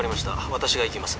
私が行きます